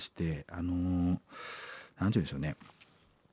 あの何て言うんでしょうね